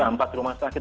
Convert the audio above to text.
ya empat rumah sakit